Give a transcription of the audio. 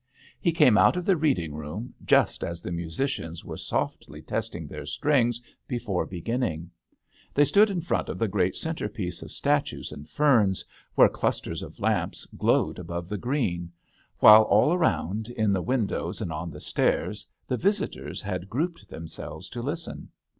He came out of the reading room, just as the musicians were softly testing their strings before beginning. They stood in front of the great centre piece of statues and ferns, where clusters of lamps glowed above the green; while all around and in the windows and on the stairs, the visitors had grouped themselves to listen.